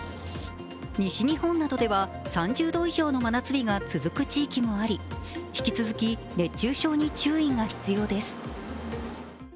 西日本などでは３０度以上の真夏日が続く地域もあり引き続き熱中症に注意が必要です。